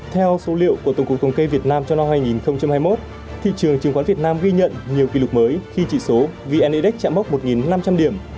theo số liệu của tổng cục công cây việt nam cho năm hai nghìn hai mươi một thị trường chứng khoán việt nam ghi nhận nhiều kỷ lục mới khi trị số vnedex chạm bốc một năm trăm linh điểm